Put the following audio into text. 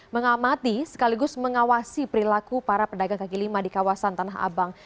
mengamati sekaligus mengawasi perilaku para pedagang kaki lima di kawasan tanah abang